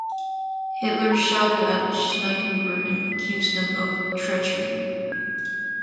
Hitler shouted at Schneidhuber and accused him of treachery.